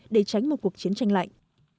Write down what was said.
để tránh một cuộc chiến tranh lạnh